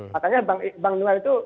makanya bang noel itu